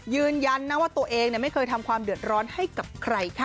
ยืนยันนะว่าตัวเองไม่เคยทำความเดือดร้อนให้กับใครค่ะ